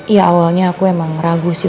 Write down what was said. ya awalnya aku emang ragu sih